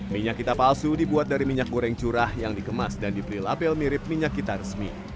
minyak kita palsu dibuat dari minyak goreng curah yang dikemas dan diberi label mirip minyak kita resmi